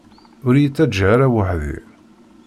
Ur iyi-ttaǧǧa ara weḥd-i!